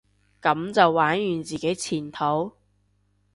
噉就玩完自己前途？